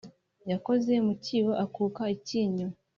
yakoze mu cyibo akuka icyinyo